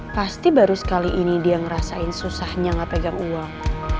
pasti baru sekali ini dia ngerasain susahnya nggak pegang uang